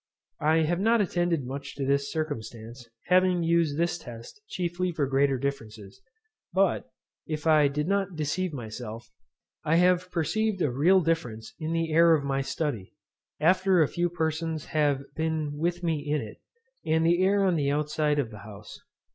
I have not attended much to this circumstance, having used this test chiefly for greater differences; but, if I did not deceive myself, I have perceived a real difference in the air of my study, after a few persons have been with me in it, and the air on the outside of the house.